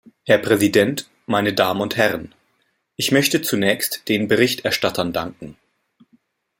Herr Präsident, meine Damen und Herren! Ich möchte zunächst den Berichterstattern danken.